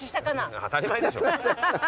当たり前でしょ。